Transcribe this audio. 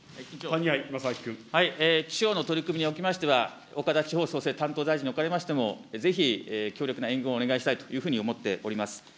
地方の取り組みにおきましては岡田地方創生担当大臣におかれましても、ぜひ強力な援軍をお願いしたいと思っております。